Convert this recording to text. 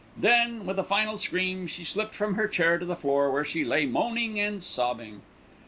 Then, with a final scream, she slipped from her chair to the floor, where she lay moaning and sobbing.